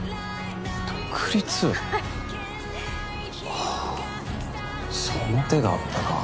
あぁその手があったか。